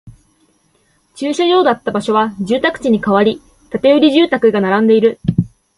駐車場だった場所は住宅地に変わり、建売住宅が並んでいる